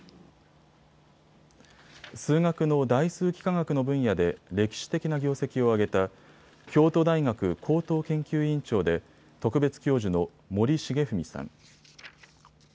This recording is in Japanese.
数学の代数幾何学の分野で歴史的な業績を上げた京都大学高等研究院長で特別教授の森重文さん。